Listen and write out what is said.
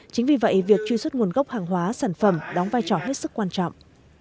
chính vì vậy việc truy xuất nguồn gốc hàng hóa sản phẩm đóng vai trò hết sức quan trọng